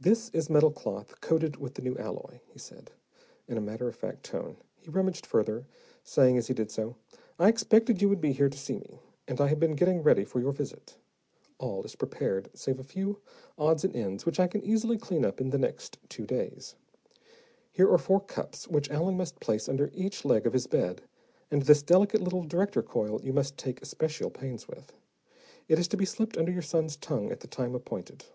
"This is metal cloth coated with the new alloy," he said, in a matter of fact tone. He rummaged further, saying as he did so, "I expected you would be here to see me, and I have been getting ready for your visit. All is prepared, save a few odds and ends which I can easily clean up in the next two days. Here are four cups which Allen must place under each leg of his bed, and this delicate little director coil you must take especial pains with. It is to be slipped under your son's tongue at the time appointed."